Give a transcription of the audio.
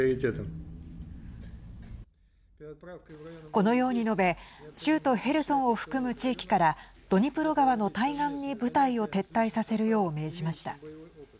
このように述べ州都ヘルソンを含む地域からドニプロ川の対岸に部隊を撤退させるよう命じました。